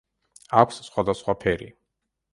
აქვს სხვადასხვა ფერი.